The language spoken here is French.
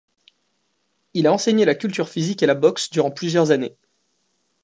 Il a enseigné la culture physique et la boxe durant plusieurs années.